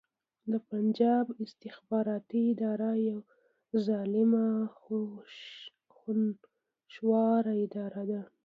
د پنجاب استخباراتې اداره يوه ظالمه خونښواره اداره ده